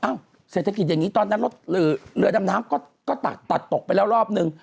อ้าวเศรษฐกิจแบบนี้ตอนนั้นรถหรือเรือดำน้ำก็ตัดตกไปแล้วรอบนึง